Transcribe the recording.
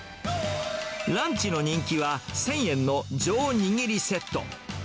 ランチの人気は、１０００円の上にぎりセット。